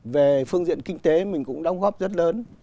về phương diện kinh tế mình cũng đóng góp rất lớn